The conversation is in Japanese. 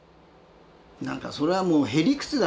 何かそれはもうへ理屈だよ。